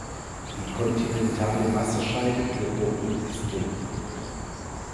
Die kontinentale Wasserscheide führt durch den Distrikt.